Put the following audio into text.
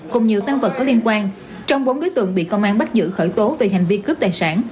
cùng nhiều tăng vật có liên quan trong bốn đối tượng bị công an bắt giữ khởi tố về hành vi cướp tài sản